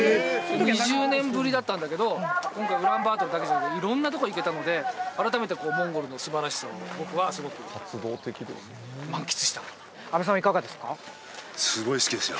２０年ぶりだったんだけど今回ウランバートルだけじゃなくて色んなとこ行けたので改めてモンゴルのすばらしさを僕はすごく満喫した阿部さんはいかがですか？